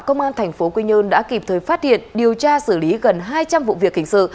công an thành phố quy nhơn đã kịp thời phát hiện điều tra xử lý gần hai trăm linh vụ việc hình sự